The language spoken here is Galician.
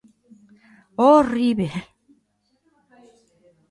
Horríbel!